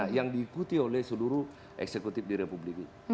yang diikuti oleh seluruh eksekutif di republik ini